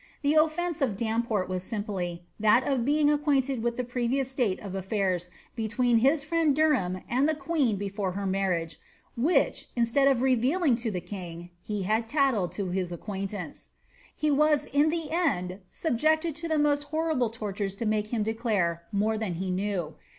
The oflence of Daa port was simply, that of being acquainted with the prerioot atata ef a&irs between his friend Derham and the queen before her marmgB) which, instead of revealing to the king, he had tattled to hiaacquaintmea He was in Uie end subiected to the moat horrible tortnrea to make km declare more than he knew.